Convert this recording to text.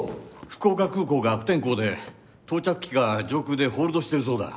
福岡空港が悪天候で到着機が上空でホールドしてるそうだ。